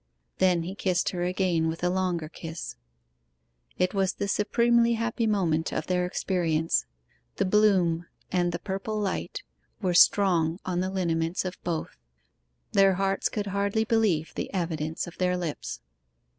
Then he kissed her again with a longer kiss. It was the supremely happy moment of their experience. The 'bloom' and the 'purple light' were strong on the lineaments of both. Their hearts could hardly believe the evidence of their lips.